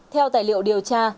theo tài liệu điều tra